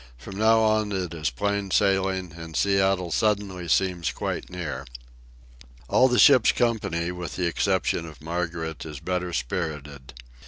From now on it is plain sailing, and Seattle suddenly seems quite near. All the ship's company, with the exception of Margaret, is better spirited.